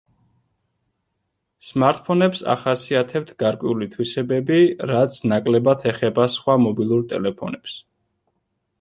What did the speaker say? სმარტფონებს ახასიათებთ გარკვეული თვისებები, რაც ნაკლებად ეხება სხვა მობილურ ტელეფონებს.